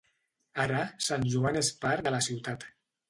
Ara, Sant Joan és part de la ciutat.